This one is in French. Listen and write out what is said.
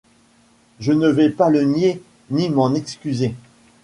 Je ne vais pas le nier ni m'en excuser.